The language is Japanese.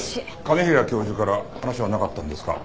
兼平教授から話はなかったんですか？